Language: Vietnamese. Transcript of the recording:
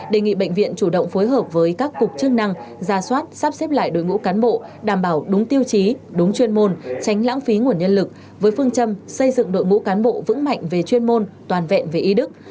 đề nghị bệnh viện chủ động phối hợp với các cục chức năng ra soát sắp xếp lại đội ngũ cán bộ đảm bảo đúng tiêu chí đúng chuyên môn tránh lãng phí nguồn nhân lực với phương châm xây dựng đội ngũ cán bộ vững mạnh về chuyên môn toàn vẹn về y đức